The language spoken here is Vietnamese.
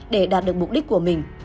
để đạt được mục đích của mình